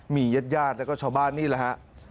มีญาติและก็ชาวบ้านนี้นะครับ